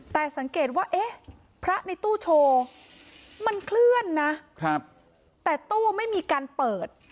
แต่สังเกตว่าเอ๊ะพระในตู้โชว์มันเคลื่อนนะแต่ตู้ไม่มีการเปิด